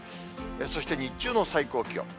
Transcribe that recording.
そして日中の最高気温。